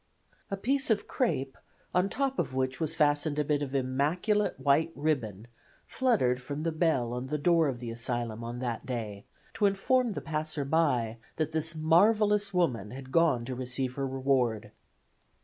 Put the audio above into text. A piece of crape, on top of which was fastened a bit of immaculate white ribbon, fluttered from the bell on the door of the asylum on that day to inform the passer by that this marvelous woman had gone to receive her reward.